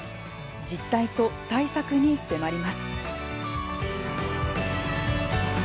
実態と対策に迫ります。